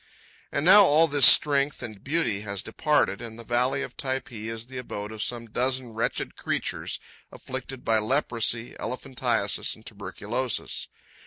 And now all this strength and beauty has departed, and the valley of Typee is the abode of some dozen wretched creatures, afflicted by leprosy, elephantiasis, and tuberculosis.